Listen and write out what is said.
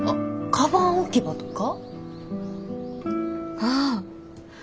かばん置き場か。